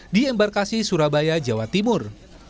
di embarkasi surabaya jawa timur